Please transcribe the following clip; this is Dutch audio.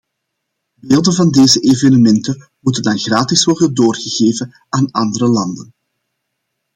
Beelden van deze evenementen moeten dan gratis worden doorgegeven aan andere landen.